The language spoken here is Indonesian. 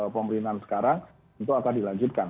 pemerintahan sekarang itu akan dilanjutkan